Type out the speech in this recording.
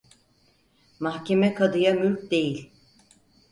Mahkeme kadıya mülk değil.